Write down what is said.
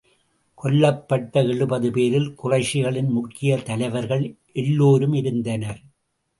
கொல்லப்பட்ட எழுபது பேரில், குறைஷிகளின் முக்கியத் தலைவர்கள் எல்லோரும் இருந்தனர்.